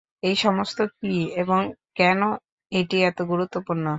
এই সমস্ত কি এবং কেন এটি এত গুরুত্বপূর্ণ?